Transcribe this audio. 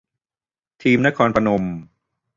ทีมนครพนม